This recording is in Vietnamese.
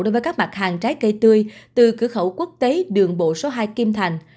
đối với các mặt hàng trái cây tươi từ cửa khẩu quốc tế đường bộ số hai kim thành